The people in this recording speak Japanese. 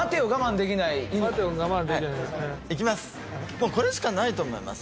もうこれしかないと思います。